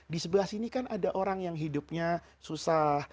di sebelah sini kan ada orang yang hidupnya susah